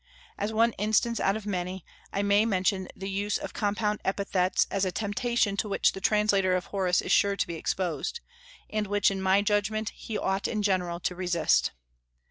As one instance out of many, I may mention the use of compound epithets as a temptation to which the translator of Horace is sure to be exposed, and which, in my judgment, he ought in general to resist.